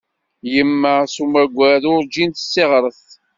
Yemma s umagad, urǧin tessiɣret.